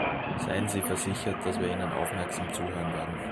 Seien Sie versichert, dass wir Ihnen aufmerksam zuhören werden.